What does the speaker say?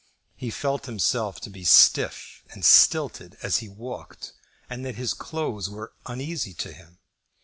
He felt himself to be stiff and stilted as he walked, and that his clothes were uneasy to him.